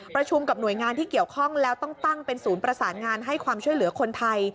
กับหน่วยงานที่เกี่ยวข้องแล้วต้องตั้งเป็นศูนย์ประสานงานให้ความช่วยเหลือคนไทย